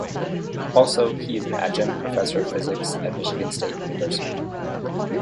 Also, he is an Adjunct professor of physics at Michigan State University.